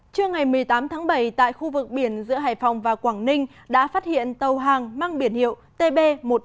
trưa ngày một mươi tám tháng bảy tại khu vực biển giữa hải phòng và quảng ninh đã phát hiện tàu hàng mang biển hiệu tb một nghìn chín trăm bốn mươi